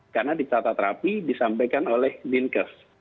karena di tata terapi disampaikan oleh dinkes